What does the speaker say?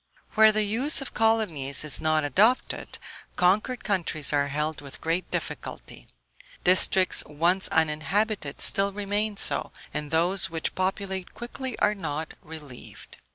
Where the use of colonies is not adopted, conquered countries are held with great difficulty; districts once uninhabited still remain so, and those which populate quickly are not relieved.